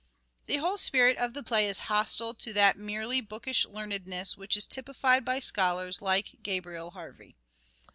The whole spirit of the play is hostile to that merely bookish learnedness which is typified by scholars like Gabriel Harvey.